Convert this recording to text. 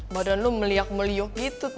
badan lo meliak meliok gitu tuh